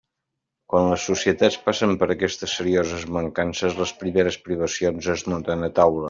Quan les societats passen per aquestes serioses mancances, les primeres privacions es noten a taula.